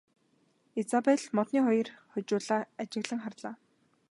Изабель модны хоёр хожуулаа ажиглан харлаа.